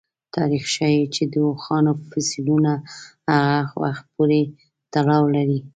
تاریخ ښيي چې د اوښانو فسیلونه هغه وخت پورې تړاو لري.